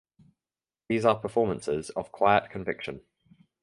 These are performances of quiet conviction.